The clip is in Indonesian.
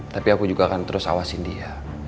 tapi aku juga akan terus awasin dia